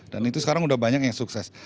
dan itu sekarang udah banyak yang sukses